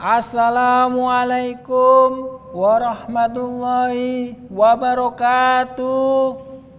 assalamualaikum warahmatullahi wabarakatuh